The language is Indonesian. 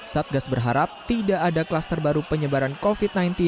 satgas berharap tidak ada kluster baru penyebaran covid sembilan belas